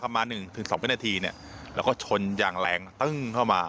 ขับมา๑๒นาทีแล้วก็ชนอย่างแรงตึ้งเข้ามา